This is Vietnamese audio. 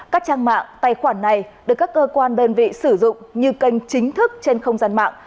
các trang mạng tài khoản này được các cơ quan đơn vị sử dụng như kênh chính thức trên không gian mạng